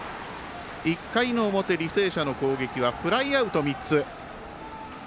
１回の表、履正社の攻撃はフライアウト３つ。